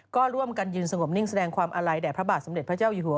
ก็ร่วมกันยืนสงบนิ่งแสดงความอาลัยแด่พระบาทสมเด็จพระเจ้าอยู่หัว